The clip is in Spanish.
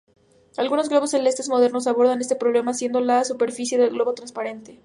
Algunos globos celestes modernos abordan este problema haciendo la superficie del globo transparente.